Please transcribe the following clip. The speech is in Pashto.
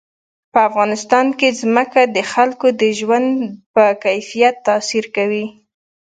په افغانستان کې ځمکه د خلکو د ژوند په کیفیت تاثیر کوي.